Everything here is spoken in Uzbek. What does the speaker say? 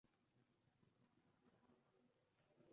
Tilimni kim qoʼygan tushovlab?